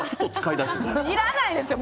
いらないですよ